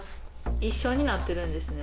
一緒になってるんですね。